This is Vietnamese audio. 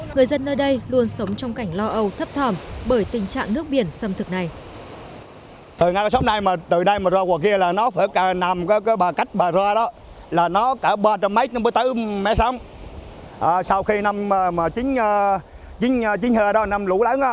người dân nơi đây luôn sống trong cảnh lo âu thấp thòm bởi tình trạng nước biển xâm thực này